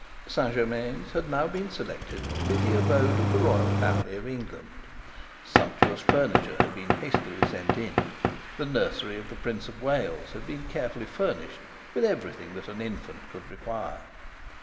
Saint Germains had now been selected to be the abode of the royal family of England. Sumptuous furniture had been hastily sent in. The nursery of the Prince of Wales had been carefully furnished with everything that an infant could require.